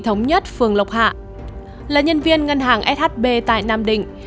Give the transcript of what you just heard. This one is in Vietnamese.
anh nvd là nhân viên ngân hàng shb tại nam định